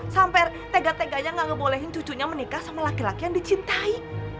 sampai tega teganya gak ngebolehin cucunya menikah sama laki laki yang dicintai